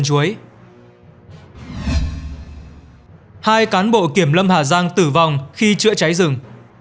hai cán bộ kiểm lâm hà giang tử vong khi chữa cháy rừng